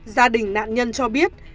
gia đình nạn nhân cho biết